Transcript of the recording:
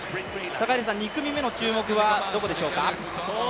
２組目の注目はどこでしょうか。